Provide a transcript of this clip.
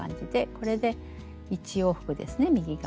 これで１往復ですね右側。